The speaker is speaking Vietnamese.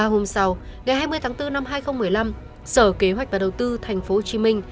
hôm sau ngày hai mươi tháng bốn năm hai nghìn một mươi năm sở kế hoạch và đầu tư tp hcm